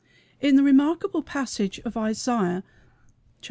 In a remarkable passage of Isaiah (xliv.